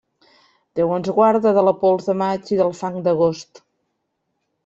Déu ens guarde de la pols de maig i del fang d'agost.